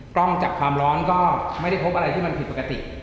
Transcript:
กล้องจับความร้อนก็ไม่ได้พบอะไรที่มันผิดปกติ